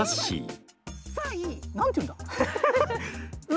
何て言うんだ。